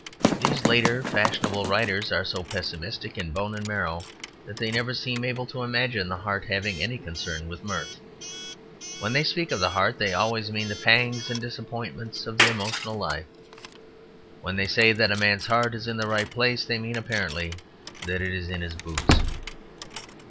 These later fashionable writers are so pessimistic in bone and marrow that they never seem able to imagine the heart having any concern with mirth. When they speak of the heart, they always mean the pangs and disappointments of the emotional life. When they say that a man's heart is in the right place, they mean, apparently, that it is in his boots.